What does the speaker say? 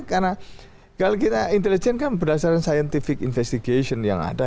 karena kalau kita intelijen kan berdasarkan scientific investigation yang ada